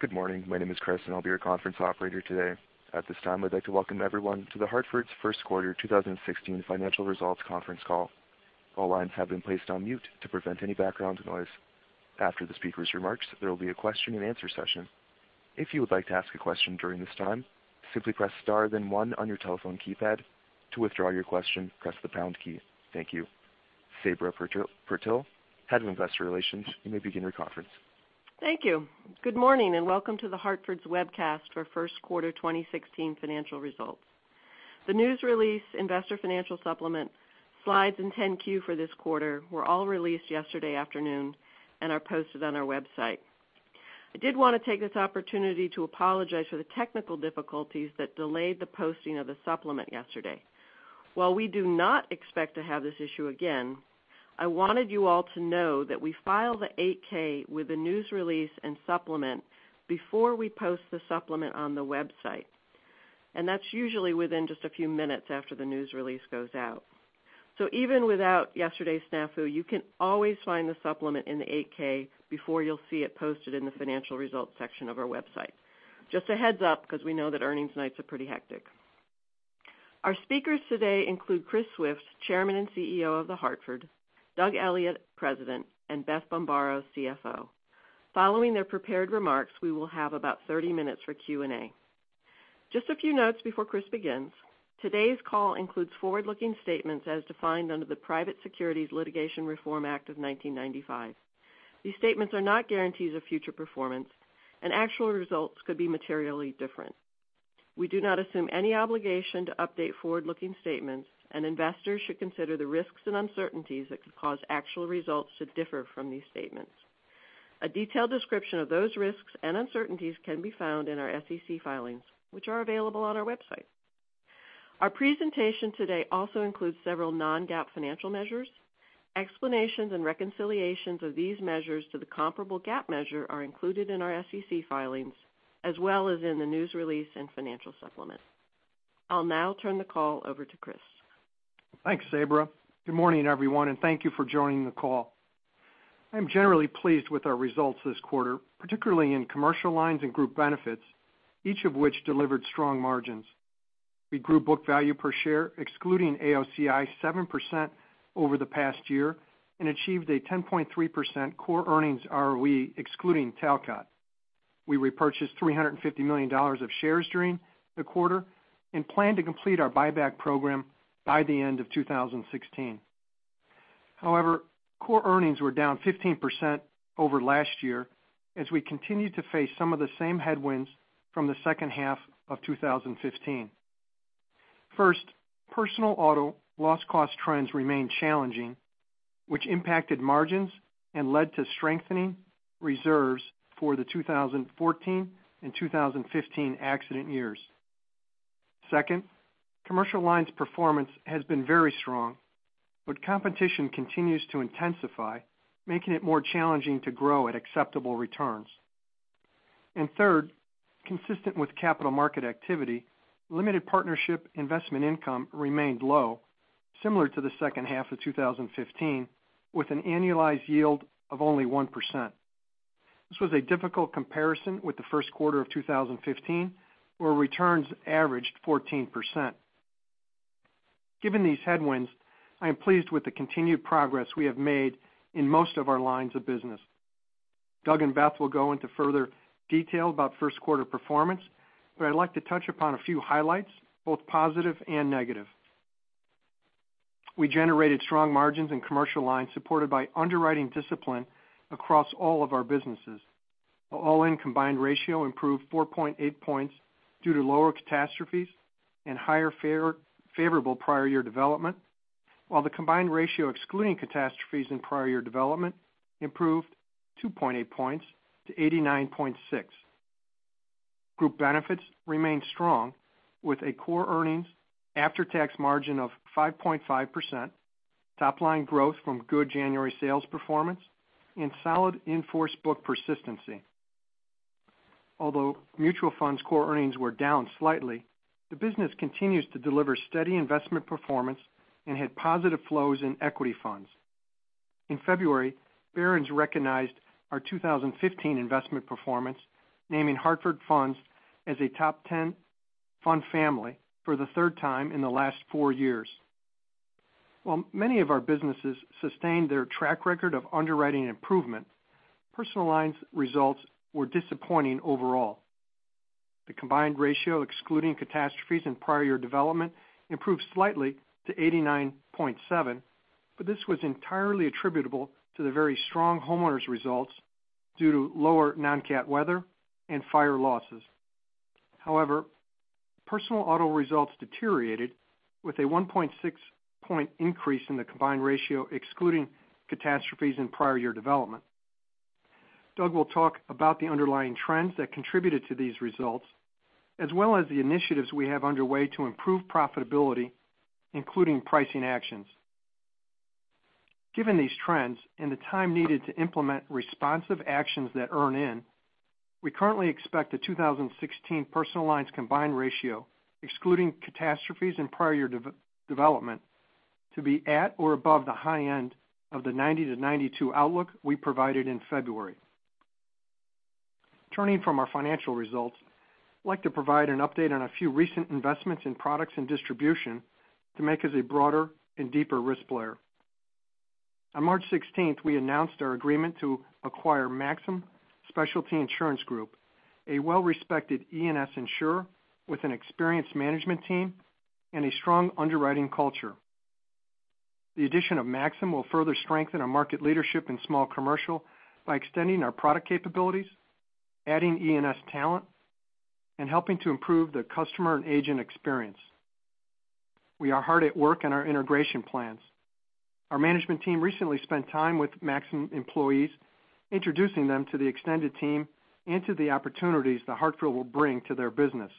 Good morning. My name is Chris, and I'll be your conference operator today. At this time, I'd like to welcome everyone to The Hartford's first quarter 2016 financial results conference call. All lines have been placed on mute to prevent any background noise. After the speaker's remarks, there will be a question and answer session. If you would like to ask a question during this time, simply press star then one on your telephone keypad. To withdraw your question, press the pound key. Thank you. Sabra Purtill, head of investor relations, you may begin your conference. Thank you. Good morning and welcome to The Hartford's webcast for first quarter 2016 financial results. The news release investor financial supplement slides and 10-Q for this quarter were all released yesterday afternoon and are posted on our website. I did want to take this opportunity to apologize for the technical difficulties that delayed the posting of the supplement yesterday. While we do not expect to have this issue again, I wanted you all to know that we file the 8-K with a news release and supplement before we post the supplement on the website, and that's usually within just a few minutes after the news release goes out. Even without yesterday's snafu, you can always find the supplement in the 8-K before you'll see it posted in the financial results section of our website. Just a heads up, because we know that earnings nights are pretty hectic. Our speakers today include Chris Swift, Chairman and CEO of The Hartford; Doug Elliot, President; and Beth Bombara, CFO. Following their prepared remarks, we will have about 30 minutes for Q&A. Just a few notes before Chris begins. Today's call includes forward-looking statements as defined under the Private Securities Litigation Reform Act of 1995. These statements are not guarantees of future performance, and actual results could be materially different. We do not assume any obligation to update forward-looking statements, and investors should consider the risks and uncertainties that could cause actual results to differ from these statements. A detailed description of those risks and uncertainties can be found in our SEC filings, which are available on our website. Our presentation today also includes several non-GAAP financial measures. Explanations and reconciliations of these measures to the comparable GAAP measure are included in our SEC filings as well as in the news release and financial supplement. I'll now turn the call over to Chris. Thanks, Sabra. Good morning, everyone, and thank you for joining the call. I'm generally pleased with our results this quarter, particularly in Commercial Lines and Group Benefits, each of which delivered strong margins. We grew book value per share, excluding AOCI, 7% over the past year and achieved a 10.3% core earnings ROE excluding Talcott. We repurchased $350 million of shares during the quarter and plan to complete our buyback program by the end of 2016. Core earnings were down 15% over last year as we continued to face some of the same headwinds from the second half of 2015. First, personal auto loss cost trends remain challenging, which impacted margins and led to strengthening reserves for the 2014 and 2015 accident years. Second, Commercial Lines performance has been very strong. Competition continues to intensify, making it more challenging to grow at acceptable returns. Third, consistent with capital market activity, limited partnership investment income remained low, similar to the second half of 2015, with an annualized yield of only 1%. This was a difficult comparison with the first quarter of 2015, where returns averaged 14%. Given these headwinds, I am pleased with the continued progress we have made in most of our lines of business. Doug and Beth will go into further detail about first quarter performance, but I'd like to touch upon a few highlights, both positive and negative. We generated strong margins in Commercial Lines, supported by underwriting discipline across all of our businesses. The all-in combined ratio improved 4.8 points due to lower catastrophes and higher favorable prior year development. The combined ratio, excluding catastrophes and prior year development, improved 2.8 points to 89.6. Group Benefits remained strong with a core earnings after-tax margin of 5.5%, top-line growth from good January sales performance, and solid in-force book persistency. Mutual Funds core earnings were down slightly, the business continues to deliver steady investment performance and had positive flows in equity funds. In February, Barron's recognized our 2015 investment performance, naming Hartford Funds as a top 10 fund family for the third time in the last four years. Many of our businesses sustained their track record of underwriting improvement, Personal Lines results were disappointing overall. The combined ratio, excluding catastrophes and prior year development, improved slightly to 89.7, but this was entirely attributable to the very strong homeowners results due to lower non-CAT weather and fire losses. Personal auto results deteriorated with a 1.6 point increase in the combined ratio, excluding catastrophes and prior year development. Doug will talk about the underlying trends that contributed to these results, as well as the initiatives we have underway to improve profitability, including pricing actions. Given these trends and the time needed to implement responsive actions that earn in, we currently expect the 2016 Personal Lines combined ratio, excluding catastrophes and prior year development, to be at or above the high end of the 90-92 outlook we provided in February. Turning from our financial results, I'd like to provide an update on a few recent investments in products and distribution to make us a broader and deeper risk player. On March 16th, we announced our agreement to acquire Maxum Specialty Insurance Group, a well-respected E&S insurer with an experienced management team and a strong underwriting culture. The addition of Maxum will further strengthen our market leadership in small Commercial Lines by extending our product capabilities, adding E&S talent, and helping to improve the customer and agent experience. We are hard at work on our integration plans. Our management team recently spent time with Maxum employees, introducing them to the extended team and to the opportunities The Hartford will bring to their business.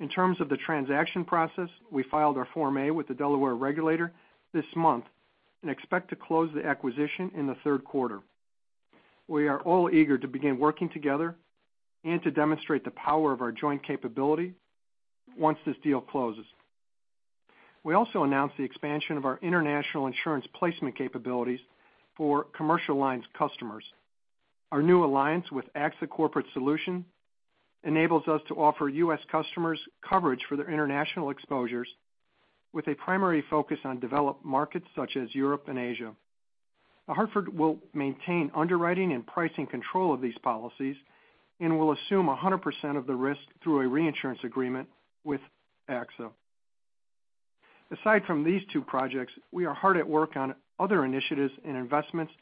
In terms of the transaction process, we filed our Form A with the Delaware regulator this month and expect to close the acquisition in the third quarter. We are all eager to begin working together and to demonstrate the power of our joint capability once this deal closes. We also announced the expansion of our international insurance placement capabilities for Commercial Lines customers. Our new alliance with AXA Corporate Solutions enables us to offer U.S. customers coverage for their international exposures with a primary focus on developed markets such as Europe and Asia. The Hartford will maintain underwriting and pricing control of these policies and will assume 100% of the risk through a reinsurance agreement with AXA. Aside from these two projects, we are hard at work on other initiatives and investments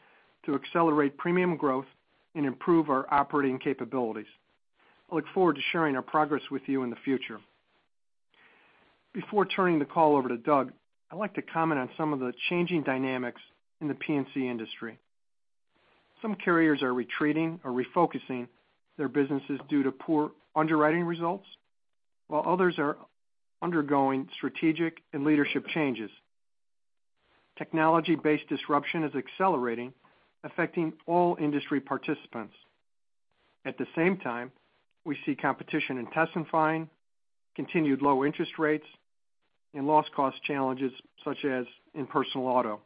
to accelerate premium growth and improve our operating capabilities. I look forward to sharing our progress with you in the future. Before turning the call over to Doug, I'd like to comment on some of the changing dynamics in the P&C industry. Some carriers are retreating or refocusing their businesses due to poor underwriting results, while others are undergoing strategic and leadership changes. Technology-based disruption is accelerating, affecting all industry participants. At the same time, we see competition intensifying, continued low interest rates, and loss cost challenges, such as in personal auto.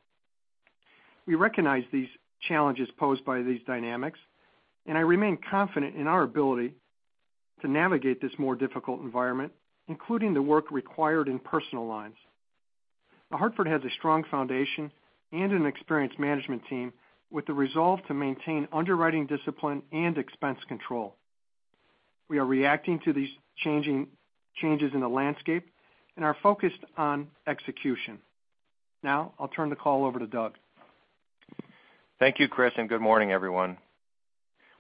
We recognize these challenges posed by these dynamics, and I remain confident in our ability to navigate this more difficult environment, including the work required in Personal Lines. The Hartford has a strong foundation and an experienced management team with the resolve to maintain underwriting discipline and expense control. We are reacting to these changes in the landscape and are focused on execution. Now, I'll turn the call over to Doug. Thank you, Chris, and good morning, everyone.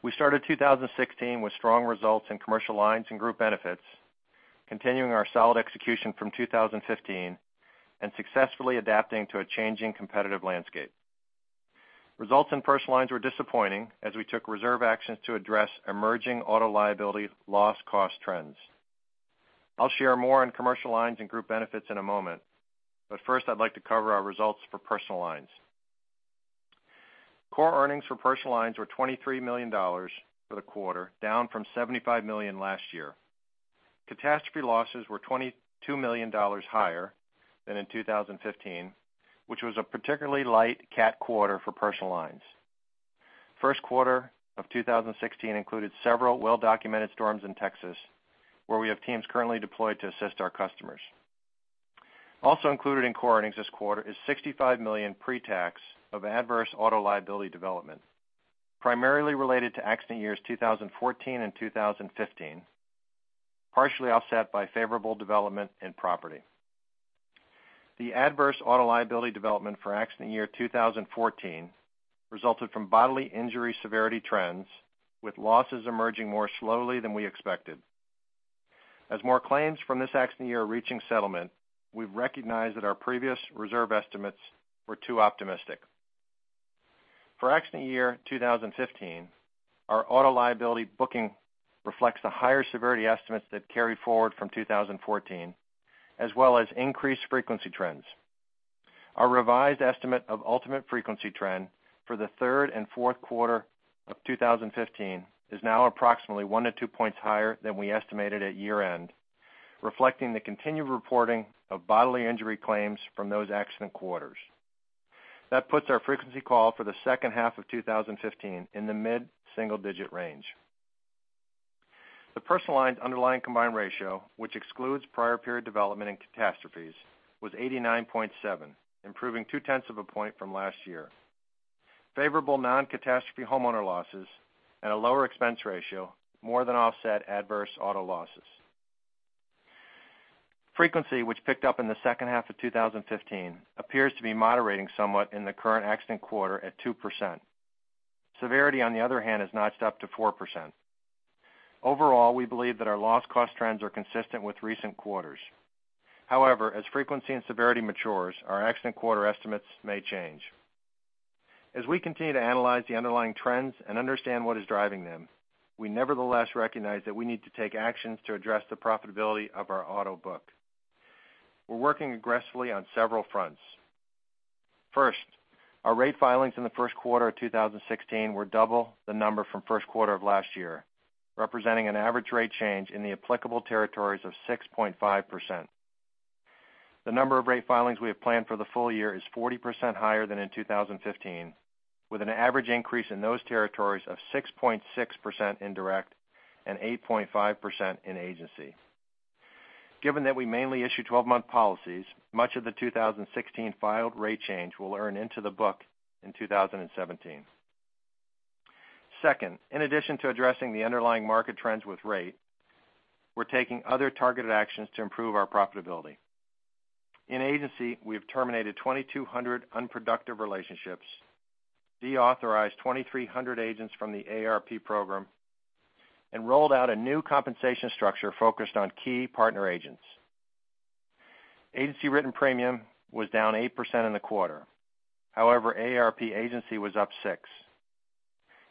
We started 2016 with strong results in Commercial Lines and Group Benefits, continuing our solid execution from 2015 and successfully adapting to a changing competitive landscape. Results in Personal Lines were disappointing as we took reserve actions to address emerging auto liability loss cost trends. I'll share more on Commercial Lines and Group Benefits in a moment, but first, I'd like to cover our results for Personal Lines. Core earnings for Personal Lines were $23 million for the quarter, down from $75 million last year. Catastrophe losses were $22 million higher than in 2015, which was a particularly light CAT quarter for Personal Lines. First quarter of 2016 included several well-documented storms in Texas, where we have teams currently deployed to assist our customers. Also included in core earnings this quarter is $65 million pretax of adverse auto liability development, primarily related to accident years 2014 and 2015, partially offset by favorable development in property. The adverse auto liability development for accident year 2014 resulted from bodily injury severity trends, with losses emerging more slowly than we expected. As more claims from this accident year are reaching settlement, we've recognized that our previous reserve estimates were too optimistic. For accident year 2015, our auto liability booking reflects the higher severity estimates that carry forward from 2014, as well as increased frequency trends. Our revised estimate of ultimate frequency trend for the third and fourth quarter of 2015 is now approximately one to two points higher than we estimated at year-end, reflecting the continued reporting of bodily injury claims from those accident quarters. That puts our frequency call for the second half of 2015 in the mid-single-digit range. The Personal Lines underlying combined ratio, which excludes prior period development and catastrophes, was 89.7, improving two-tenths of a point from last year. Favorable non-catastrophe homeowner losses and a lower expense ratio more than offset adverse auto losses. Frequency, which picked up in the second half of 2015, appears to be moderating somewhat in the current accident quarter at 2%. Severity, on the other hand, is notched up to 4%. Overall, we believe that our loss cost trends are consistent with recent quarters. However, as frequency and severity matures, our accident quarter estimates may change. As we continue to analyze the underlying trends and understand what is driving them, we nevertheless recognize that we need to take actions to address the profitability of our auto book. We're working aggressively on several fronts. First, our rate filings in the first quarter of 2016 were double the number from first quarter of last year, representing an average rate change in the applicable territories of 6.5%. The number of rate filings we have planned for the full year is 40% higher than in 2015, with an average increase in those territories of 6.6% in direct and 8.5% in agency. Given that we mainly issue 12-month policies, much of the 2016 filed rate change will earn into the book in 2017. Second, in addition to addressing the underlying market trends with rate, we're taking other targeted actions to improve our profitability. In agency, we have terminated 2,200 unproductive relationships, deauthorized 2,300 agents from the AARP program, and rolled out a new compensation structure focused on key partner agents. Agency-written premium was down 8% in the quarter. However, AARP agency was up 6%.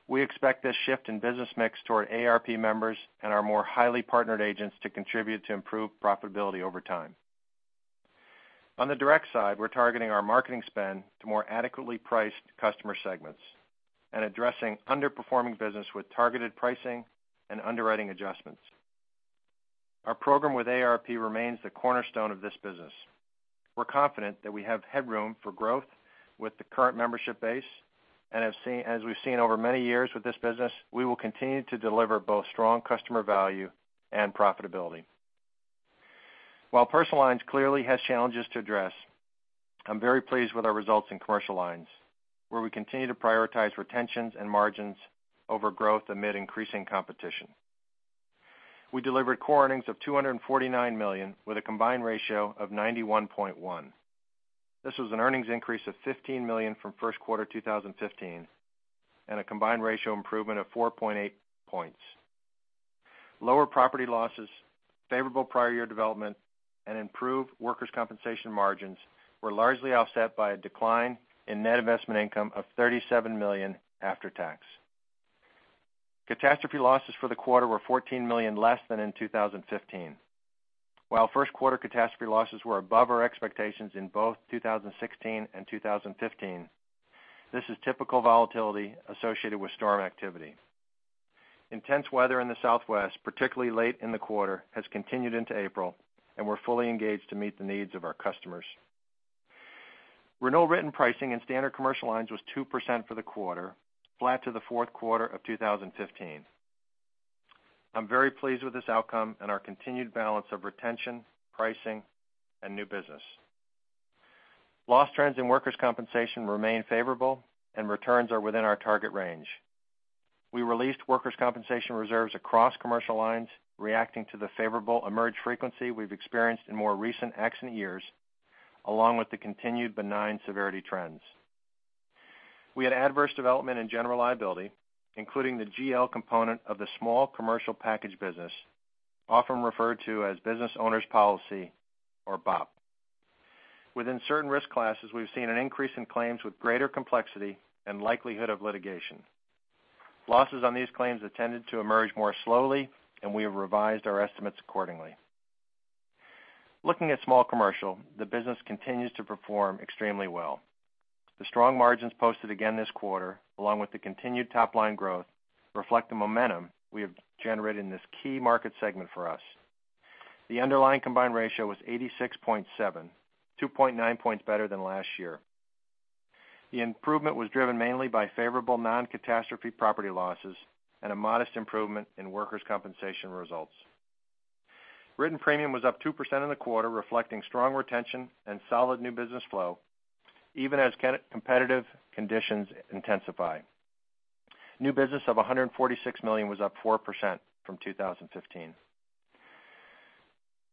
We expect this shift in business mix toward AARP members and our more highly partnered agents to contribute to improved profitability over time. On the direct side, we're targeting our marketing spend to more adequately priced customer segments and addressing underperforming business with targeted pricing and underwriting adjustments. Our program with AARP remains the cornerstone of this business. We're confident that we have headroom for growth with the current membership base, and as we've seen over many years with this business, we will continue to deliver both strong customer value and profitability. While Personal Lines clearly has challenges to address, I'm very pleased with our results in Commercial Lines, where we continue to prioritize retentions and margins over growth amid increasing competition. We delivered core earnings of $249 million, with a combined ratio of 91.1. This was an earnings increase of $15 million from first quarter 2015, and a combined ratio improvement of 4.8 points. Lower property losses, favorable prior year development, and improved workers' compensation margins were largely offset by a decline in net investment income of $37 million after tax. Catastrophe losses for the quarter were $14 million less than in 2015. While first quarter catastrophe losses were above our expectations in both 2016 and 2015, this is typical volatility associated with storm activity. Intense weather in the Southwest, particularly late in the quarter, has continued into April, and we're fully engaged to meet the needs of our customers. Renewal written pricing in standard Commercial Lines was 2% for the quarter, flat to the fourth quarter of 2015. I'm very pleased with this outcome and our continued balance of retention, pricing, and new business. Loss trends in workers' compensation remain favorable, and returns are within our target range. We released workers' compensation reserves across Commercial Lines, reacting to the favorable emerged frequency we've experienced in more recent accident years, along with the continued benign severity trends. We had adverse development in general liability, including the GL component of the small commercial package business, often referred to as Business Owner's Policy or BOP. Within certain risk classes, we've seen an increase in claims with greater complexity and likelihood of litigation. Losses on these claims have tended to emerge more slowly, and we have revised our estimates accordingly. Looking at small commercial, the business continues to perform extremely well. The strong margins posted again this quarter, along with the continued top-line growth, reflect the momentum we have generated in this key market segment for us. The underlying combined ratio was 86.7, 2.9 points better than last year. The improvement was driven mainly by favorable non-catastrophe property losses and a modest improvement in workers' compensation results. Written premium was up 2% in the quarter, reflecting strong retention and solid new business flow, even as competitive conditions intensify. New business of $146 million was up 4% from 2015.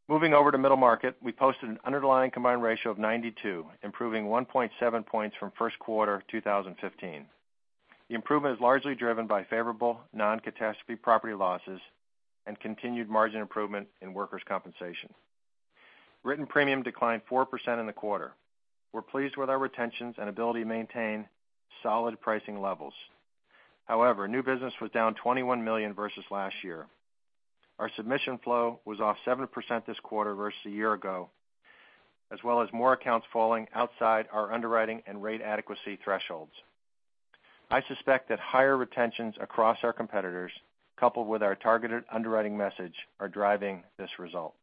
Moving over to middle market, we posted an underlying combined ratio of 92, improving 1.7 points from first quarter 2015. The improvement is largely driven by favorable non-catastrophe property losses and continued margin improvement in workers' compensation. Written premium declined 4% in the quarter. We're pleased with our retentions and ability to maintain solid pricing levels. New business was down $21 million versus last year. Our submission flow was off 7% this quarter versus a year ago, as well as more accounts falling outside our underwriting and rate adequacy thresholds. I suspect that higher retentions across our competitors, coupled with our targeted underwriting message, are driving this result.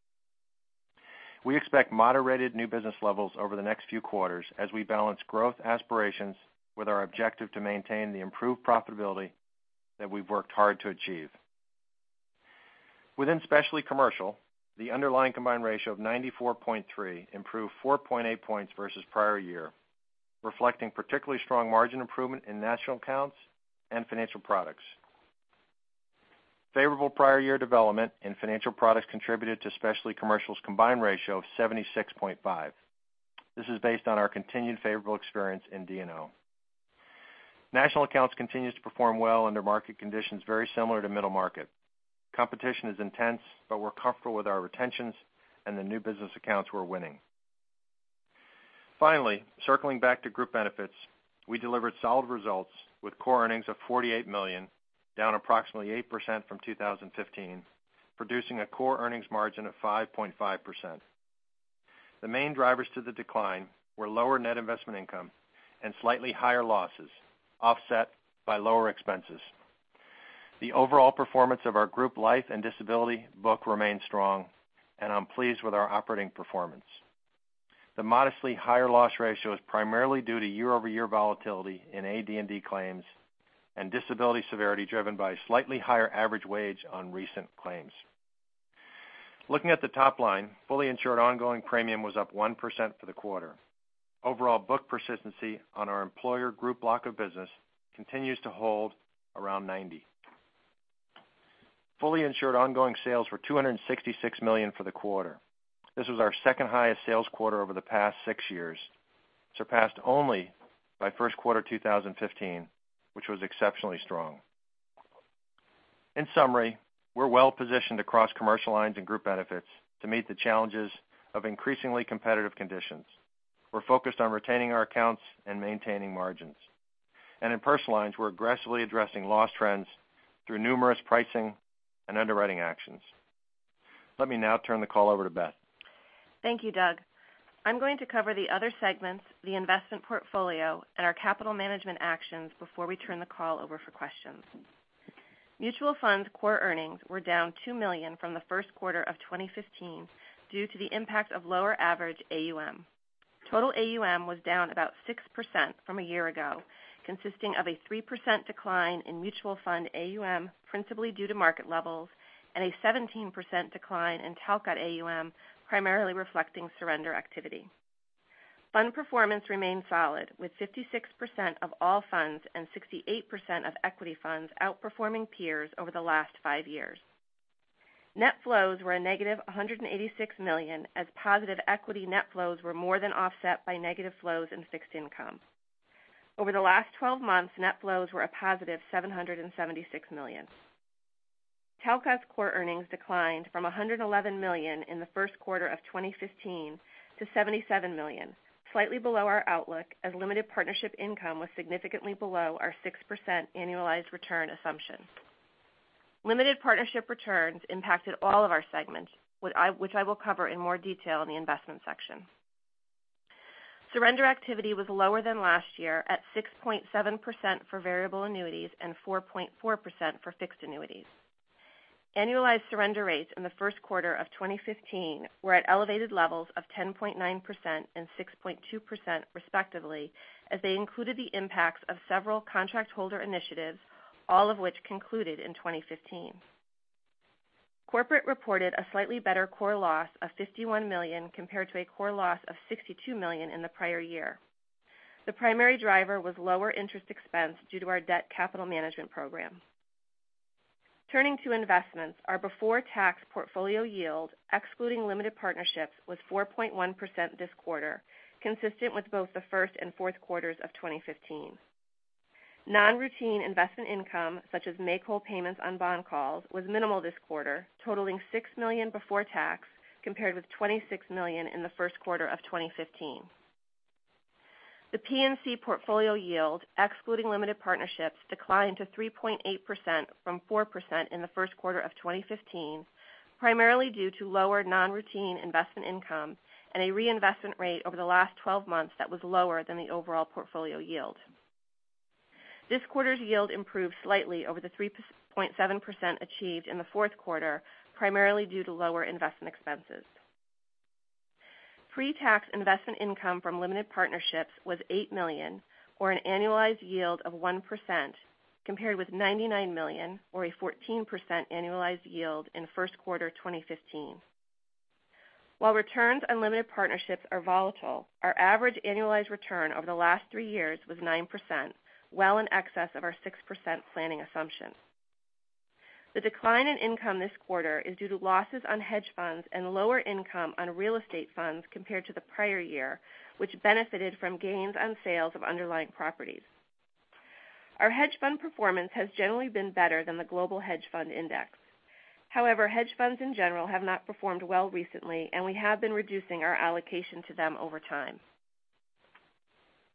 We expect moderated new business levels over the next few quarters as we balance growth aspirations with our objective to maintain the improved profitability that we've worked hard to achieve. Within specialty commercial, the underlying combined ratio of 94.3 improved 4.8 points versus prior year, reflecting particularly strong margin improvement in national accounts and financial products. Favorable prior year development in financial products contributed to specialty commercial's combined ratio of 76.5. This is based on our continued favorable experience in D&O. National accounts continues to perform well under market conditions very similar to middle market. Competition is intense, but we're comfortable with our retentions and the new business accounts we're winning. Circling back to Group Benefits, we delivered solid results with core earnings of $48 million, down approximately 8% from 2015. Producing a core earnings margin of 5.5%. The main drivers to the decline were lower net investment income and slightly higher losses, offset by lower expenses. The overall performance of our Group Life and Disability book remains strong, and I'm pleased with our operating performance. The modestly higher loss ratio is primarily due to year-over-year volatility in AD&D claims and disability severity driven by slightly higher average wage on recent claims. Looking at the top line, fully insured ongoing premium was up 1% for the quarter. Overall book persistency on our employer group block of business continues to hold around 90%. Fully insured ongoing sales were $266 million for the quarter. This was our second highest sales quarter over the past six years, surpassed only by first quarter 2015, which was exceptionally strong. In summary, we're well-positioned across Commercial Lines and Group Benefits to meet the challenges of increasingly competitive conditions. We're focused on retaining our accounts and maintaining margins. In Personal Lines, we're aggressively addressing loss trends through numerous pricing and underwriting actions. Let me now turn the call over to Beth. Thank you, Doug. I'm going to cover the other segments, the investment portfolio, and our capital management actions before we turn the call over for questions. Mutual Funds core earnings were down $2 million from the first quarter of 2015 due to the impact of lower average AUM. Total AUM was down about 6% from a year ago, consisting of a 3% decline in Mutual Fund AUM principally due to market levels, and a 17% decline in Talcott AUM, primarily reflecting surrender activity. Fund performance remained solid, with 56% of all funds and 68% of equity funds outperforming peers over the last five years. Net flows were a negative $186 million, as positive equity net flows were more than offset by negative flows in fixed income. Over the last 12 months, net flows were a positive $776 million. Talcott's core earnings declined from $111 million in the first quarter of 2015 to $77 million, slightly below our outlook as limited partnership income was significantly below our 6% annualized return assumption. Limited partnership returns impacted all of our segments, which I will cover in more detail in the investment section. Surrender activity was lower than last year at 6.7% for variable annuities and 4.4% for fixed annuities. Annualized surrender rates in the first quarter of 2015 were at elevated levels of 10.9% and 6.2% respectively, as they included the impacts of several contract holder initiatives, all of which concluded in 2015. Corporate reported a slightly better core loss of $51 million compared to a core loss of $62 million in the prior year. The primary driver was lower interest expense due to our debt capital management program. Turning to investments, our before-tax portfolio yield, excluding limited partnerships, was 4.1% this quarter, consistent with both the first and fourth quarters of 2015. Non-routine investment income, such as make-whole payments on bond calls, was minimal this quarter, totaling $6 million before tax, compared with $26 million in the first quarter of 2015. The P&C portfolio yield, excluding limited partnerships, declined to 3.8% from 4% in the first quarter of 2015, primarily due to lower non-routine investment income and a reinvestment rate over the last 12 months that was lower than the overall portfolio yield. This quarter's yield improved slightly over the 3.7% achieved in the fourth quarter, primarily due to lower investment expenses. Pre-tax investment income from limited partnerships was $8 million, or an annualized yield of 1%, compared with $99 million, or a 14% annualized yield in first quarter 2015. While returns on limited partnerships are volatile, our average annualized return over the last three years was 9%, well in excess of our 6% planning assumption. The decline in income this quarter is due to losses on hedge funds and lower income on real estate funds compared to the prior year, which benefited from gains on sales of underlying properties. Our hedge fund performance has generally been better than the Global Hedge Fund Index. However, hedge funds in general have not performed well recently, and we have been reducing our allocation to them over time.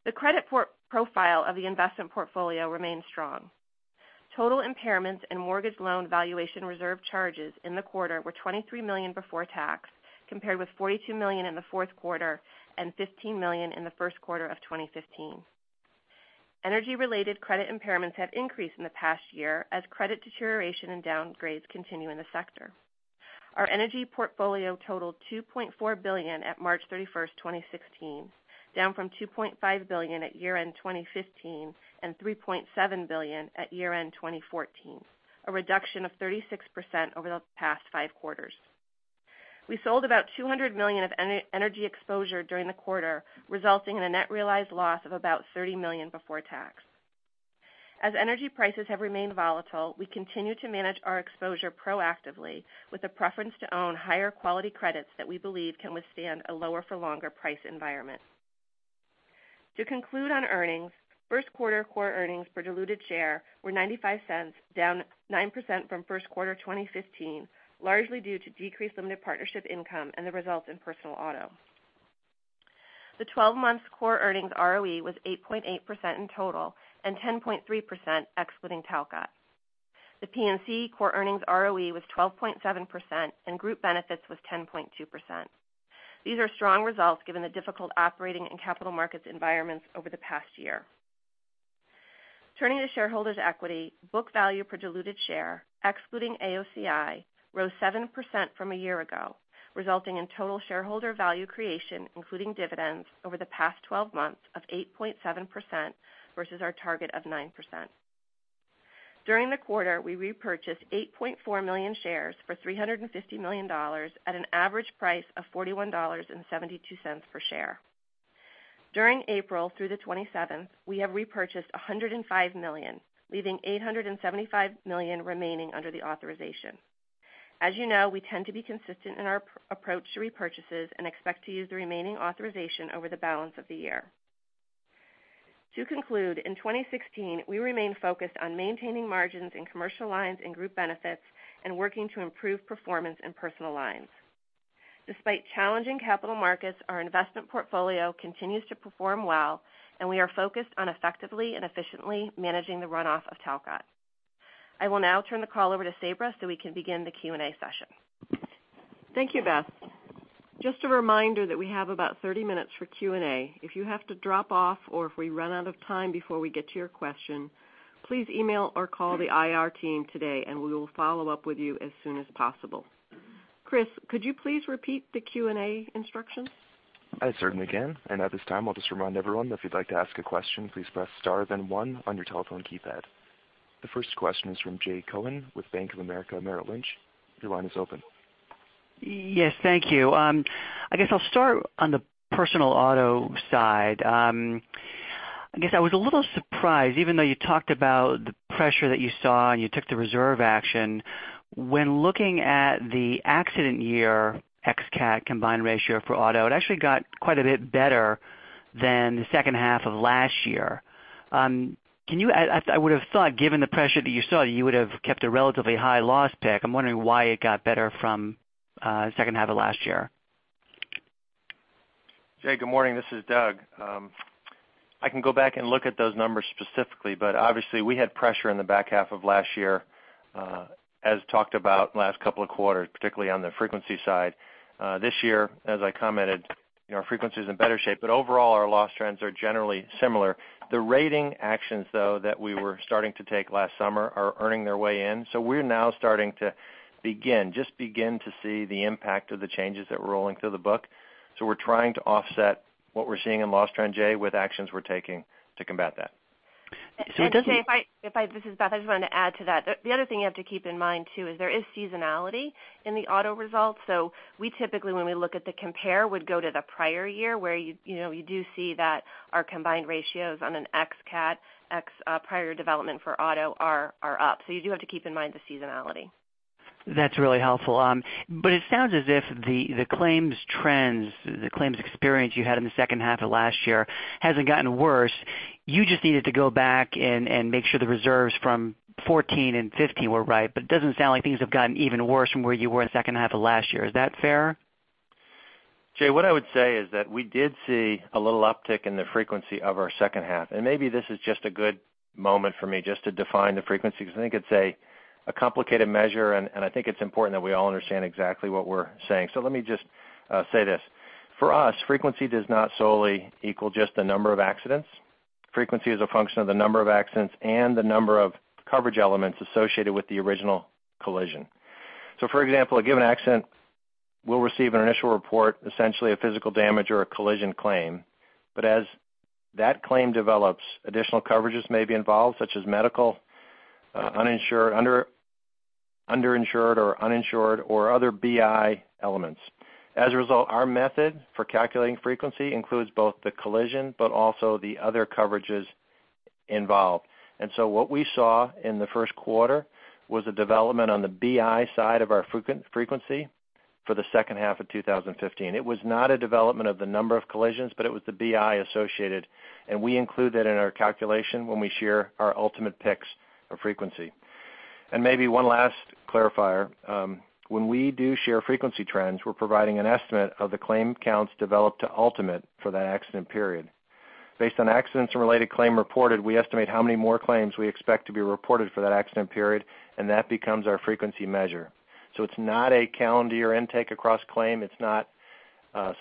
The credit profile of the investment portfolio remains strong. Total impairments and mortgage loan valuation reserve charges in the quarter were $23 million before tax, compared with $42 million in the fourth quarter and $15 million in the first quarter of 2015. Energy-related credit impairments have increased in the past year as credit deterioration and downgrades continue in the sector. Our energy portfolio totaled $2.4 billion at March 31st, 2016, down from $2.5 billion at year-end 2015 and $3.7 billion at year-end 2014, a reduction of 36% over the past five quarters. We sold about $200 million of energy exposure during the quarter, resulting in a net realized loss of about $30 million before tax. As energy prices have remained volatile, we continue to manage our exposure proactively with a preference to own higher quality credits that we believe can withstand a lower for longer price environment. To conclude on earnings, first quarter core earnings per diluted share were $0.95, down 9% from first quarter 2015, largely due to decreased limited partnership income and the results in personal auto. The 12 months core earnings ROE was 8.8% in total and 10.3% excluding Talcott Resolution. The P&C core earnings ROE was 12.7%, and Group Benefits was 10.2%. These are strong results given the difficult operating and capital markets environments over the past year. Turning to shareholders' equity, book value per diluted share, excluding AOCI, rose 7% from a year ago, resulting in total shareholder value creation, including dividends, over the past 12 months of 8.7% versus our target of 9%. During the quarter, we repurchased 8.4 million shares for $350 million at an average price of $41.72 per share. During April through the 27th, we have repurchased $105 million, leaving $875 million remaining under the authorization. As you know, we tend to be consistent in our approach to repurchases and expect to use the remaining authorization over the balance of the year. To conclude, in 2016, we remain focused on maintaining margins in Commercial Lines and Group Benefits and working to improve performance in Personal Lines. Despite challenging capital markets, our investment portfolio continues to perform well, and we are focused on effectively and efficiently managing the runoff of Talcott. I will now turn the call over to Sabra so we can begin the Q&A session. Thank you, Beth. Just a reminder that we have about 30 minutes for Q&A. If you have to drop off or if we run out of time before we get to your question, please email or call the IR team today, we will follow up with you as soon as possible. Chris, could you please repeat the Q&A instructions? I certainly can. At this time, I'll just remind everyone if you'd like to ask a question, please press star then one on your telephone keypad. The first question is from Jay Cohen with Bank of America Merrill Lynch. Your line is open. Yes. Thank you. I guess I'll start on the personal auto side. I guess I was a little surprised, even though you talked about the pressure that you saw, and you took the reserve action. When looking at the accident year ex CAT combined ratio for auto, it actually got quite a bit better than the second half of last year. I would've thought, given the pressure that you saw, you would've kept a relatively high loss pick. I'm wondering why it got better from the second half of last year. Jay, good morning. This is Doug Elliot. I can go back and look at those numbers specifically, but obviously, we had pressure in the back half of last year, as talked about last couple of quarters, particularly on the frequency side. This year, as I commented, our frequency's in better shape, but overall, our loss trends are generally similar. The rating actions, though, that we were starting to take last summer are earning their way in. We're now starting to just begin to see the impact of the changes that we're rolling through the book. We're trying to offset what we're seeing in loss trend, Jay, with actions we're taking to combat that. It doesn't- Jay, this is Beth Bombara. I just wanted to add to that. The other thing you have to keep in mind, too, is there is seasonality in the auto results. We typically, when we look at the compare, would go to the prior year where you do see that our combined ratios on an ex CAT, ex prior development for auto are up. You do have to keep in mind the seasonality. That's really helpful. It sounds as if the claims trends, the claims experience you had in the second half of last year hasn't gotten worse. You just needed to go back and make sure the reserves from 2014 and 2015 were right, it doesn't sound like things have gotten even worse from where you were in the second half of last year. Is that fair? Jay, what I would say is that we did see a little uptick in the frequency of our second half. Maybe this is just a good moment for me just to define the frequency because I think it's a complicated measure. I think it's important that we all understand exactly what we're saying. Let me just say this. For us, frequency does not solely equal just the number of accidents. Frequency is a function of the number of accidents and the number of coverage elements associated with the original collision. For example, a given accident will receive an initial report, essentially a physical damage or a collision claim. As that claim develops, additional coverages may be involved, such as medical, underinsured or uninsured, or other BI elements. As a result, our method for calculating frequency includes both the collision, but also the other coverages involved. What we saw in the first quarter was a development on the BI side of our frequency for the second half of 2015. It was not a development of the number of collisions, but it was the BI associated. We include that in our calculation when we share our ultimate picks of frequency. Maybe one last clarifier. When we do share frequency trends, we're providing an estimate of the claim counts developed to ultimate for that accident period. Based on accidents and related claim reported, we estimate how many more claims we expect to be reported for that accident period, and that becomes our frequency measure. It's not a calendar year intake across claim. It's not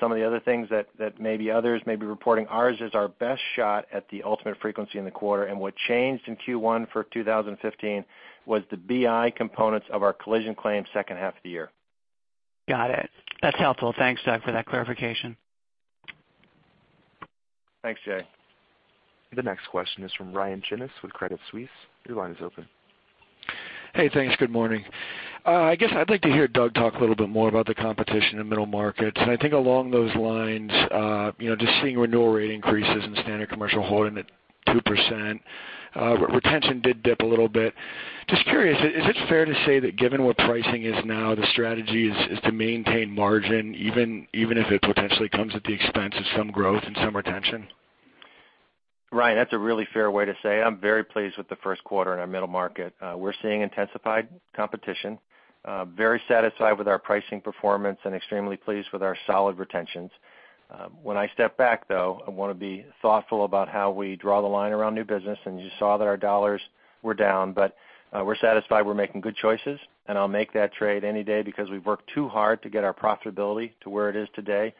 some of the other things that maybe others may be reporting. Ours is our best shot at the ultimate frequency in the quarter. What changed in Q1 for 2015 was the BI components of our collision claim second half of the year. Got it. That's helpful. Thanks, Doug, for that clarification. Thanks, Jay. The next question is from Ryan Tunis with Credit Suisse. Your line is open. Hey, thanks. Good morning. I guess I'd like to hear Doug Elliot talk a little bit more about the competition in middle markets. I think along those lines, just seeing renewal rate increases in standard Commercial holding at 2%, retention did dip a little bit. Just curious, is it fair to say that given what pricing is now, the strategy is to maintain margin, even if it potentially comes at the expense of some growth and some retention? Ryan, that's a really fair way to say. I'm very pleased with the first quarter in our middle market. We're seeing intensified competition, very satisfied with our pricing performance, and extremely pleased with our solid retentions. When I step back, though, I want to be thoughtful about how we draw the line around new business, and you saw that our dollars were down, but we're satisfied we're making good choices, and I'll make that trade any day because we've worked too hard to get our profitability to where it is today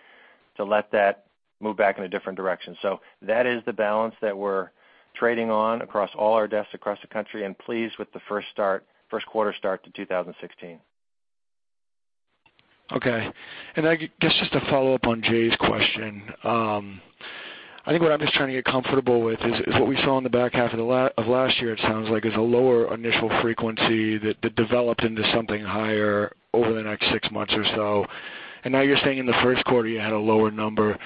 to let that move back in a different direction. That is the balance that we're trading on across all our desks across the country and pleased with the first quarter start to 2016. Okay. I guess just to follow up on Jay's question. I think what I'm just trying to get comfortable with is what we saw in the back half of last year, it sounds like, is a lower initial frequency that developed into something higher over the next 6 months or so. Now you're saying in the first quarter, you had a lower number.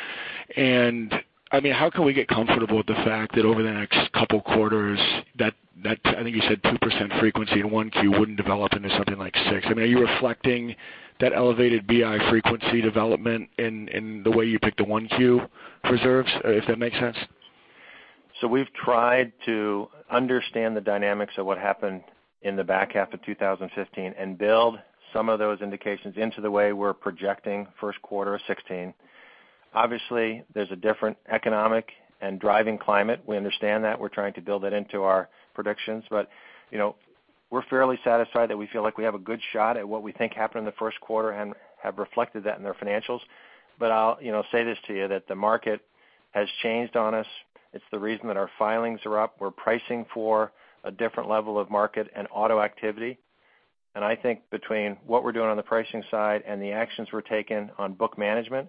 How can we get comfortable with the fact that over the next couple quarters that, I think you said 2% frequency in 1Q wouldn't develop into something like 6? Are you reflecting that elevated BI frequency development in the way you picked the 1Q reserves, if that makes sense? We've tried to understand the dynamics of what happened in the back half of 2015 and build some of those indications into the way we're projecting first quarter of 2016. Obviously, there's a different economic and driving climate. We understand that. We're trying to build that into our predictions. We're fairly satisfied that we feel like we have a good shot at what we think happened in the first quarter and have reflected that in our financials. I'll say this to you, that the market has changed on us. It's the reason that our filings are up. We're pricing for a different level of market and auto activity. I think between what we're doing on the pricing side and the actions we're taking on book management,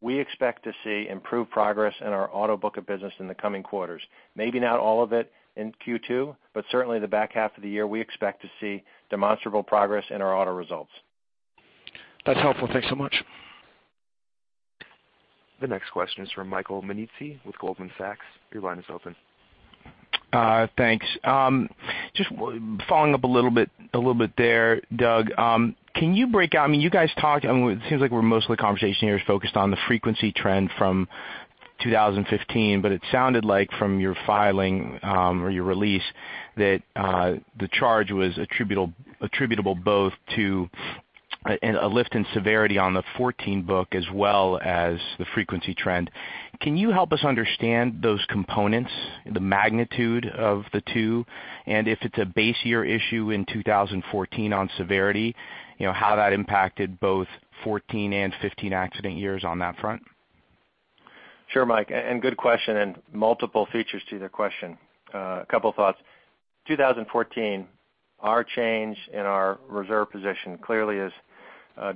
we expect to see improved progress in our auto book of business in the coming quarters. Maybe not all of it in Q2, but certainly the back half of the year, we expect to see demonstrable progress in our auto results. That's helpful. Thanks so much. The next question is from Michael Nannizzi with Goldman Sachs. Your line is open. Thanks. Just following up a little bit there, Doug. Can you break out, you guys talked, it seems like where most of the conversation here is focused on the frequency trend from 2015, but it sounded like from your filing or your release that the charge was attributable both to a lift in severity on the 2014 book as well as the frequency trend. Can you help us understand those components, the magnitude of the two, and if it's a base year issue in 2014 on severity, how that impacted both 2014 and 2015 accident years on that front? Sure, Mike, and good question, and multiple features to the question. A couple thoughts. 2014, our change in our reserve position clearly is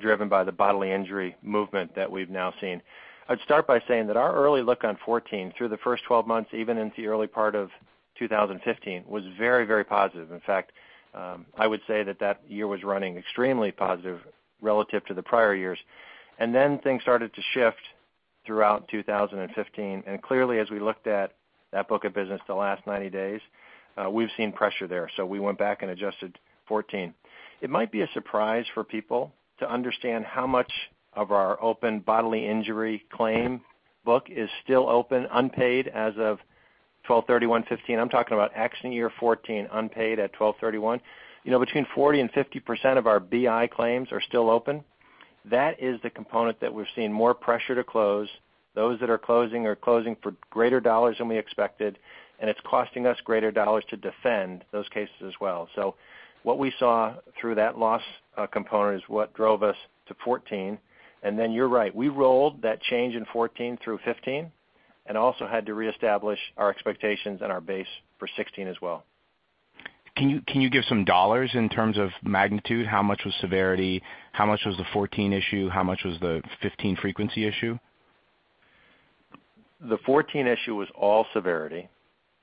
driven by the bodily injury movement that we've now seen. I'd start by saying that our early look on 2014 through the first 12 months, even into the early part of 2015, was very positive. In fact, I would say that that year was running extremely positive relative to the prior years. Things started to shift throughout 2015. Clearly, as we looked at that book of business the last 90 days, we've seen pressure there. We went back and adjusted 2014. It might be a surprise for people to understand how much of our open bodily injury claim book is still open unpaid as of 12/31/2015. I'm talking about accident year 2014 unpaid at 12/31/2015. Between 40% and 50% of our BI claims are still open. That is the component that we're seeing more pressure to close. Those that are closing are closing for greater dollars than we expected, and it's costing us greater dollars to defend those cases as well. What we saw through that loss component is what drove us to 2014. You're right, we rolled that change in 2014 through 2015 and also had to reestablish our expectations and our base for 2016 as well. Can you give some dollars in terms of magnitude? How much was severity? How much was the 2014 issue? How much was the 2015 frequency issue? The 2014 issue was all severity.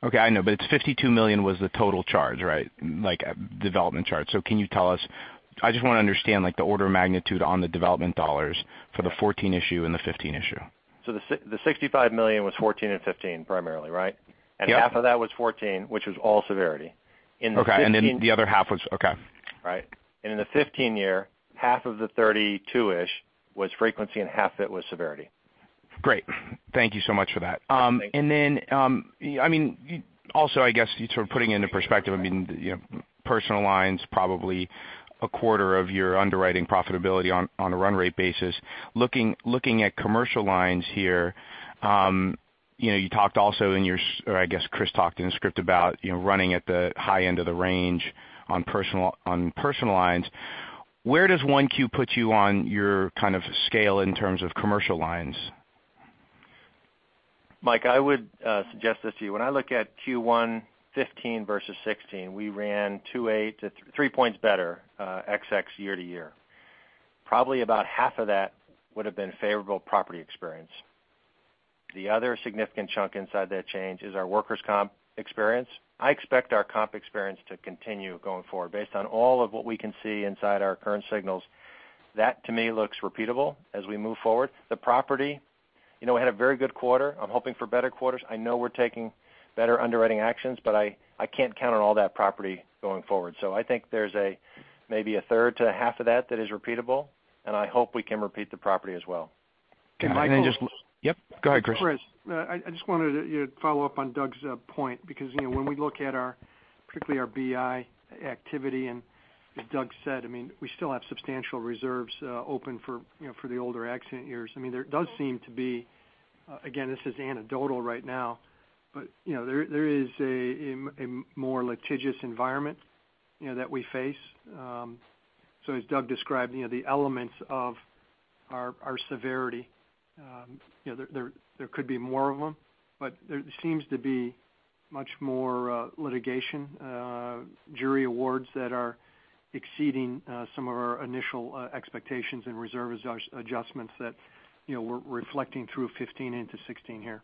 Okay. I know, it's $52 million was the total charge, right? Like, development charge. Can you tell us, I just want to understand, the order of magnitude on the development dollars for the 2014 issue and the 2015 issue. The $65 million was 2014 and 2015 primarily, right? Yep. Half of that was 2014, which was all severity. In the 2015- Okay. The other half was-- okay. Right. In the 2015 year, half of the 32-ish was frequency, and half of it was severity. Great. Thank you so much for that. Thank you. Also I guess putting into perspective, Personal Lines probably a quarter of your underwriting profitability on a run rate basis. Looking at Commercial Lines here, you talked also in your or I guess Chris talked in the script about running at the high end of the range on Personal Lines. Where does 1Q put you on your scale in terms of Commercial Lines? Mike, I would suggest this to you. When I look at Q1 2015 versus 2016, we ran 2.8-3 points better year-to-year. Probably about half of that would've been favorable property experience. The other significant chunk inside that change is our workers' comp experience. I expect our comp experience to continue going forward based on all of what we can see inside our current signals. That, to me, looks repeatable as we move forward. The property, we had a very good quarter. I'm hoping for better quarters. I know we're taking better underwriting actions, but I can't count on all that property going forward. I think there's maybe a third to half of that that is repeatable, and I hope we can repeat the property as well. Can I Yep. Go ahead, Chris. Chris, I just wanted to follow up on Doug's point because when we look at our, particularly our BI activity, and as Doug said, we still have substantial reserves open for the older accident years. There does seem to be, again, this is anecdotal right now, but there is a more litigious environment that we face. As Doug described, the elements of our severity there could be more of them, but there seems to be much more litigation, jury awards that are exceeding some of our initial expectations and reserve adjustments that we're reflecting through 2015 into 2016 here.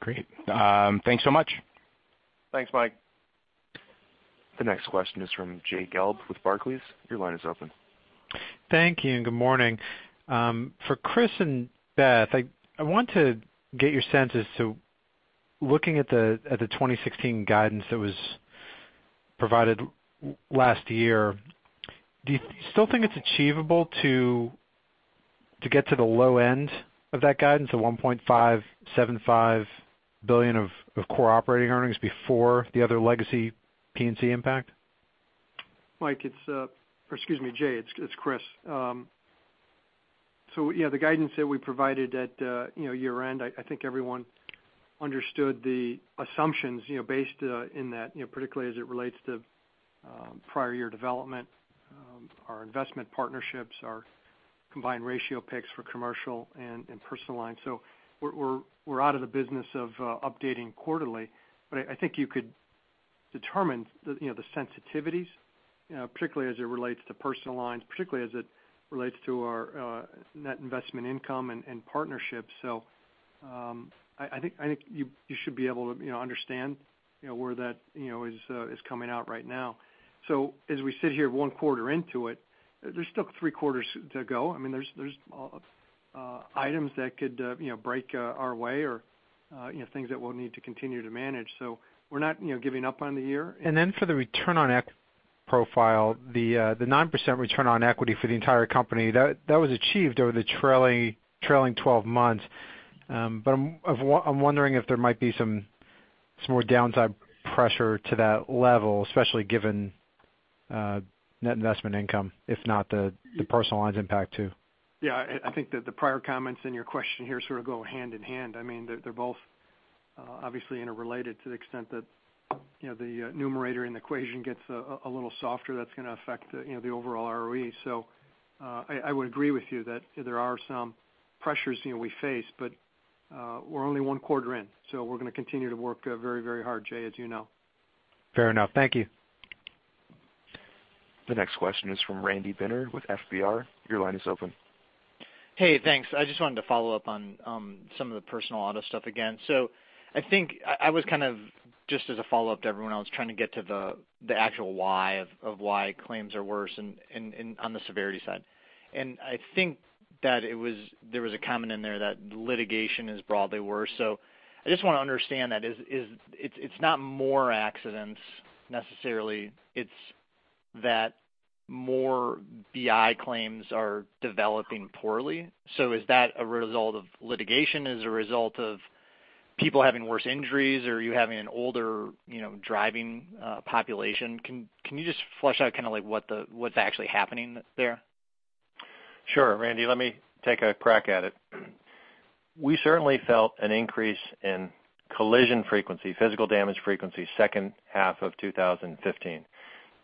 Great. Thanks so much. Thanks, Mike. The next question is from Jay Gelb with Barclays. Your line is open. Thank you. Good morning. For Chris and Beth Bombara, I want to get your sense as to looking at the 2016 guidance that was provided last year, do you still think it's achievable to get to the low end of that guidance of $1.575 billion of core operating earnings before the other legacy P&C impact? Jay, it's Chris. Yeah, the guidance that we provided at year-end, I think everyone understood the assumptions based in that particularly as it relates to prior year development, our investment partnerships, our combined ratio picks for Commercial Lines and Personal Lines. We're out of the business of updating quarterly. I think you could determine the sensitivities particularly as it relates to Personal Lines, particularly as it relates to our net investment income and partnerships. I think you should be able to understand where that is coming out right now. As we sit here one quarter into it, there's still three quarters to go. There's items that could break our way or things that we'll need to continue to manage. We're not giving up on the year. For the return on equity profile, the 9% return on equity for the entire company, that was achieved over the trailing 12 months. I'm wondering if there might be some more downside pressure to that level, especially given net investment income, if not the Personal Lines impact too. Yeah, I think that the prior comments in your question here sort of go hand in hand. They're both obviously interrelated to the extent that the numerator in the equation gets a little softer, that's going to affect the overall ROE. I would agree with you that there are some pressures we face, but we're only one quarter in, so we're going to continue to work very hard, Jay, as you know. Fair enough. Thank you. The next question is from Randy Binner with FBR. Your line is open. Hey, thanks. I just wanted to follow up on some of the personal auto stuff again. I think I was kind of just as a follow-up to everyone else, trying to get to the actual why of why claims are worse on the severity side. I think that there was a comment in there that litigation is broadly worse. I just want to understand that. It's not more accidents necessarily, it's that more BI claims are developing poorly. Is that a result of litigation? Is a result of people having worse injuries? Are you having an older driving population? Can you just flesh out what's actually happening there? Sure, Randy, let me take a crack at it. We certainly felt an increase in collision frequency, physical damage frequency, second half of 2015.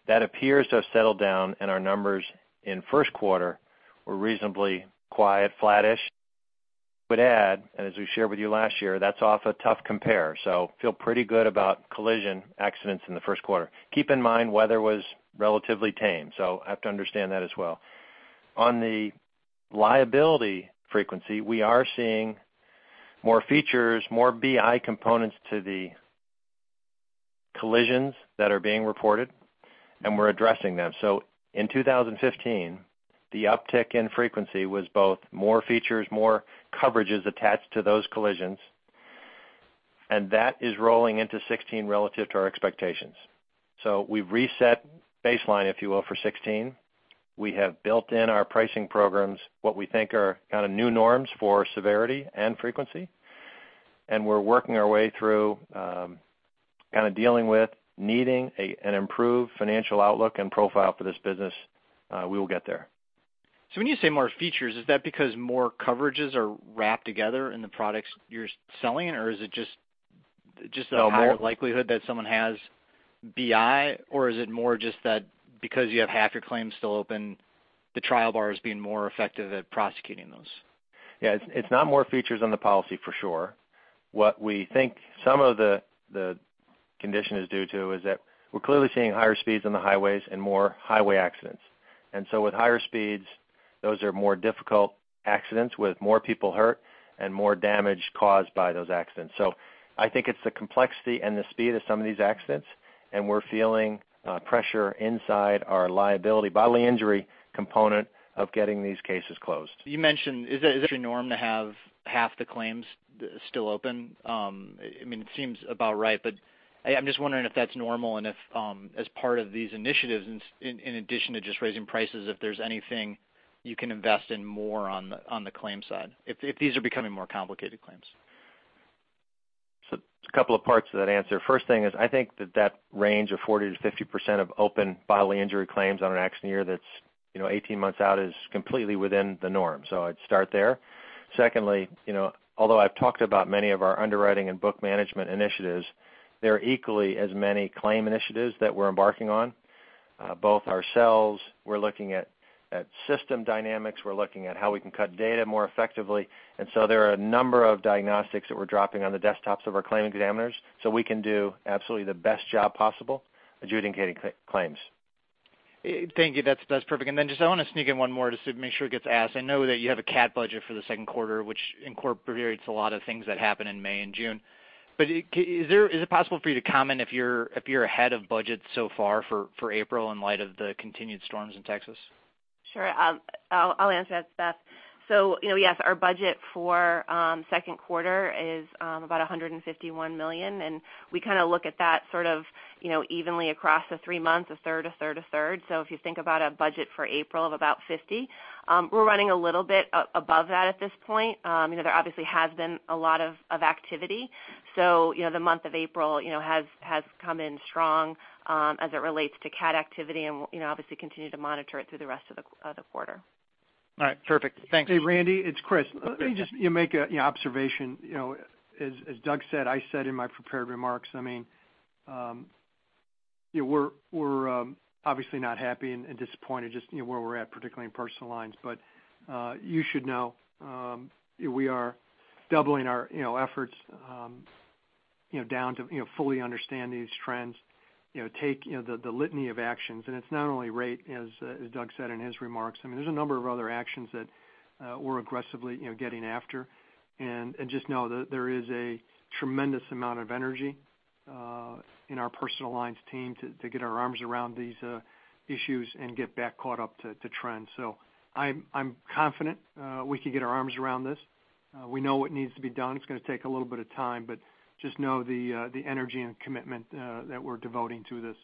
That appears to have settled down, and our numbers in first quarter were reasonably quiet, flattish. Would add, as we shared with you last year, that's off a tough compare. Feel pretty good about collision accidents in the first quarter. Keep in mind, weather was relatively tame, so have to understand that as well. On the liability frequency, we are seeing more features, more BI components to the collisions that are being reported, and we're addressing them. In 2015, the uptick in frequency was both more features, more coverages attached to those collisions, and that is rolling into '16 relative to our expectations. We've reset baseline, if you will, for '16. We have built in our pricing programs, what we think are kind of new norms for severity and frequency. We're working our way through kind of dealing with needing an improved financial outlook and profile for this business. We will get there. When you say more features, is that because more coverages are wrapped together in the products you're selling? Or is it just a higher likelihood that someone has BI? Or is it more just that because you have half your claims still open, the trial bar is being more effective at prosecuting those? Yeah. It's not more features on the policy for sure. What we think some of the condition is due to is that we're clearly seeing higher speeds on the highways and more highway accidents. With higher speeds, those are more difficult accidents with more people hurt and more damage caused by those accidents. I think it's the complexity and the speed of some of these accidents, and we're feeling pressure inside our liability bodily injury component of getting these cases closed. You mentioned, is it actually norm to have half the claims still open? It seems about right, but I'm just wondering if that's normal and if as part of these initiatives, in addition to just raising prices, if there's anything you can invest in more on the claims side, if these are becoming more complicated claims. There's a couple of parts to that answer. First thing is, I think that range of 40%-50% of open bodily injury claims on an accident year that's 18 months out is completely within the norm. Secondly, although I've talked about many of our underwriting and book management initiatives, there are equally as many claim initiatives that we're embarking on. Both ourselves, we're looking at system dynamics. We're looking at how we can cut data more effectively. There are a number of diagnostics that we're dropping on the desktops of our claim examiners so we can do absolutely the best job possible adjudicating claims. Thank you. That's perfect. Just I want to sneak in one more just to make sure it gets asked. I know that you have a CAT budget for the second quarter, which incorporates a lot of things that happen in May and June. Is it possible for you to comment if you're ahead of budget so far for April in light of the continued storms in Texas? Sure. I'll answer as best. Yes, our budget for second quarter is about $151 million, and we look at that evenly across the three months, a third, a third, a third. If you think about a budget for April of about $50 million, we're running a little bit above that at this point. There obviously has been a lot of activity. The month of April has come in strong as it relates to CAT activity, obviously continue to monitor it through the rest of the quarter. All right. Perfect. Thanks. Hey, Randy. It's Chris. Let me just make an observation. As Doug said, I said in my prepared remarks, we're obviously not happy and disappointed just where we're at, particularly in Personal Lines. You should know we are doubling our efforts down to fully understand these trends, take the litany of actions. It's not only rate, as Doug said in his remarks. There's a number of other actions that we're aggressively getting after. Just know that there is a tremendous amount of energy in our Personal Lines team to get our arms around these issues and get back caught up to trend. I'm confident we can get our arms around this. We know what needs to be done. It's going to take a little bit of time, but just know the energy and commitment that we're devoting to this.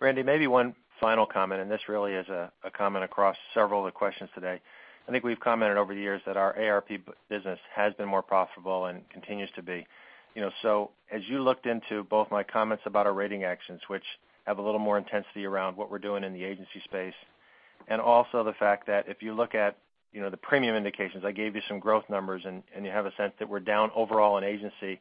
Randy, maybe one final comment, and this really is a comment across several of the questions today. I think we've commented over the years that our AARP business has been more profitable and continues to be. As you looked into both my comments about our rating actions, which have a little more intensity around what we're doing in the agency space, and also the fact that if you look at the premium indications, I gave you some growth numbers, and you have a sense that we're down overall in agency,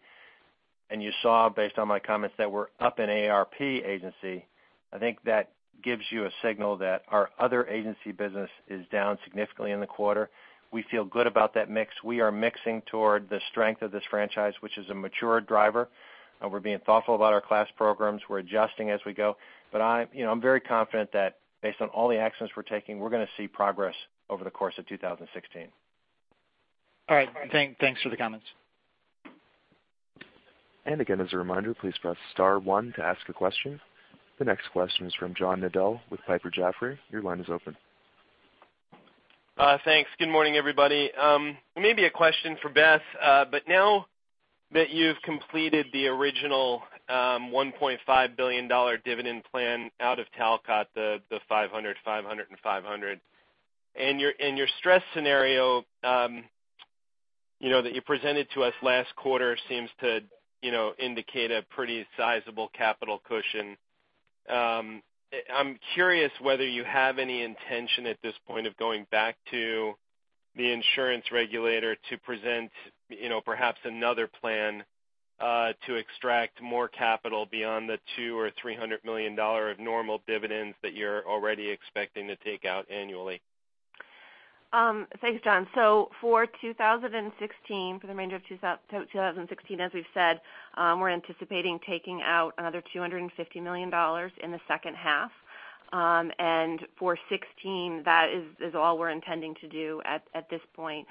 and you saw, based on my comments, that we're up in AARP agency, I think that gives you a signal that our other agency business is down significantly in the quarter. We feel good about that mix. We are mixing toward the strength of this franchise, which is a mature driver. We're being thoughtful about our class programs. We're adjusting as we go. I'm very confident that based on all the actions we're taking, we're going to see progress over the course of 2016. All right. Thanks for the comments. As a reminder, please press star one to ask a question. The next question is from John Nadel with Piper Jaffray. Your line is open. Thanks. Good morning, everybody. Maybe a question for Beth, now that you've completed the original $1.5 billion dividend plan out of Talcott, the $500 million, $500 million, and $500 million, your stress scenario that you presented to us last quarter seems to indicate a pretty sizable capital cushion. I'm curious whether you have any intention at this point of going back to the insurance regulator to present perhaps another plan to extract more capital beyond the 2 or $300 million of normal dividends that you're already expecting to take out annually. Thanks, John. For the remainder of 2016, as we've said, we're anticipating taking out another $250 million in the second half. For 2016, that is all we're intending to do at this point.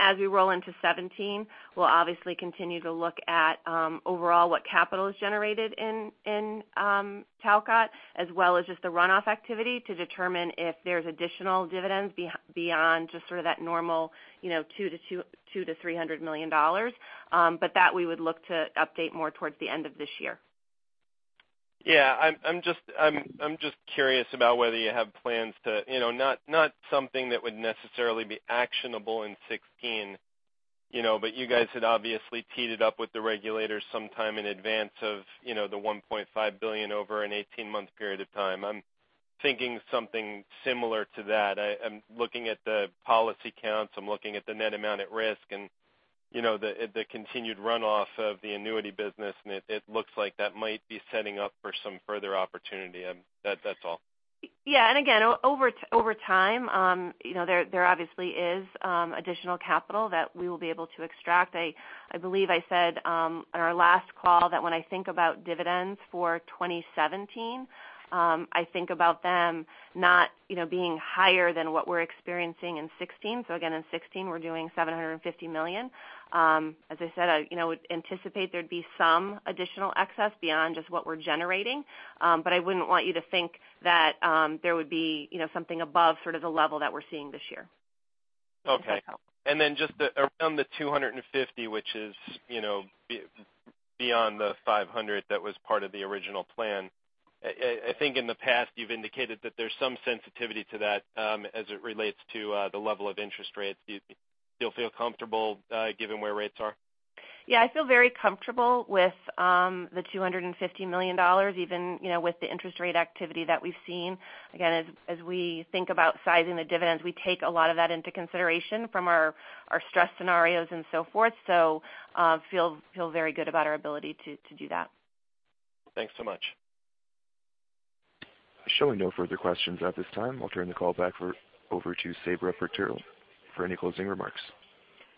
As we roll into 2017, we'll obviously continue to look at overall what capital is generated in Talcott as well as just the runoff activity to determine if there's additional dividends beyond just that normal 2 to $300 million. That we would look to update more towards the end of this year. Yeah. I'm just curious about whether you have plans to, not something that would necessarily be actionable in 2016. You guys had obviously teed it up with the regulators sometime in advance of the $1.5 billion over an 18-month period of time. I'm thinking something similar to that. I'm looking at the policy counts. I'm looking at the net amount at risk and the continued runoff of the annuity business, it looks like that might be setting up for some further opportunity. That's all. Yeah. Again, over time, there obviously is additional capital that we will be able to extract. I believe I said on our last call that when I think about dividends for 2017, I think about them not being higher than what we're experiencing in 2016. Again, in 2016, we're doing $750 million. As I said, I would anticipate there'd be some additional excess beyond just what we're generating. I wouldn't want you to think that there would be something above the level that we're seeing this year. Okay. Then just around the $250, which is beyond the $500 that was part of the original plan. I think in the past you've indicated that there's some sensitivity to that as it relates to the level of interest rates. Do you still feel comfortable given where rates are? Yeah, I feel very comfortable with the $250 million, even with the interest rate activity that we've seen. Again, as we think about sizing the dividends, we take a lot of that into consideration from our stress scenarios and so forth. Feel very good about our ability to do that. Thanks so much. Showing no further questions at this time. I'll turn the call back over to Sabra Purtill for any closing remarks.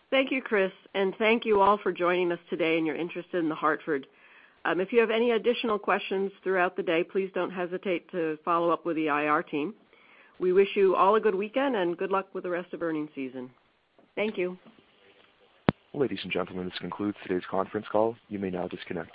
Thank you, Chris. Thank you all for joining us today and your interest in The Hartford. If you have any additional questions throughout the day, please don't hesitate to follow up with the IR team. We wish you all a good weekend and good luck with the rest of earnings season. Thank you. Ladies and gentlemen, this concludes today's conference call. You may now disconnect.